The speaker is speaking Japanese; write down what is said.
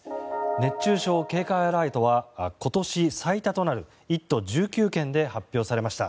熱中症警戒アラートは今年最多となる１都１９県で発表されました。